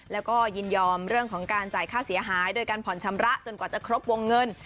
แล้วก็ยินยอมเรื่องของการจ่ายค่าเสียหายโดยการผ่อนชำระจนกว่าจะครบวงเงิน